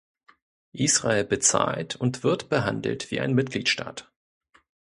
Israel bezahlt und wird behandelt wie ein Mitgliedstaat.